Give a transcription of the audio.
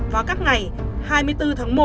vào các ngày hai mươi bốn tháng một